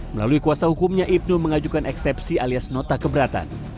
melalui kuasa hukumnya ibnu mengajukan eksepsi alias nota keberatan